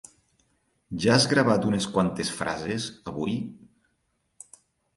Ja has gravat unes quantes frases, avui?